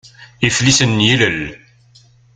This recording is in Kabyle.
Iflisen n yilel.